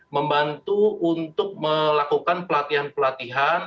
membantu untuk melakukan pelatihan pelatihan